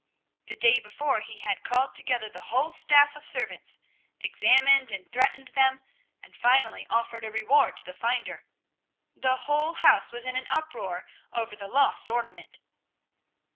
The day before he had called together the whole staff of servants, examined and threatened them, and finally offered a reward to the finder. The whole house was in an uproar over the lost ornament.